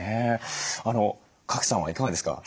賀来さんはいかがですか？